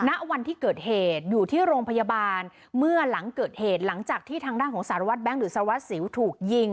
ณวันที่เกิดเหตุอยู่ที่โรงพยาบาลเมื่อหลังเกิดเหตุหลังจากที่ทางด้านของสารวัตรแบงค์หรือสารวัสสิวถูกยิง